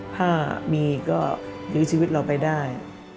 ถ้ามีก็ยื้อชีวิตเราไปได้